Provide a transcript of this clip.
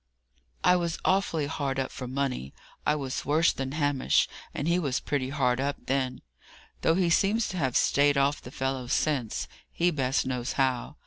"I was awfully hard up for money. I was worse than Hamish, and he was pretty hard up then; though he seems to have staved off the fellows since he best knows how.